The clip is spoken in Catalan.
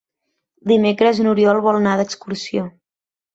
Divendres n'Oriol vol anar d'excursió.